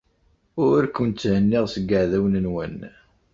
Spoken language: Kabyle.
Ur ken-tthenniɣ seg yeɛdawen-nwen.